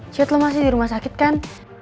cit lu masih di rumah sakit kan